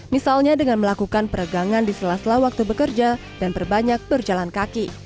misalnya dengan melakukan peregangan di sela sela waktu bekerja dan perbanyak berjalan kaki